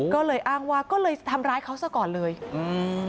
ก็เลยอ้างว่าก็เลยทำร้ายเขาซะก่อนเลยอืม